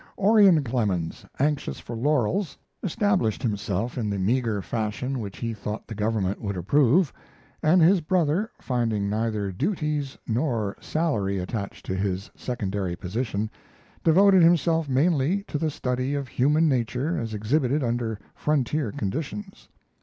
Orion Clemens, anxious for laurels, established himself in the meager fashion which he thought the government would approve; and his brother, finding neither duties nor salary attached to his secondary position, devoted himself mainly to the study of human nature as exhibited under frontier conditions.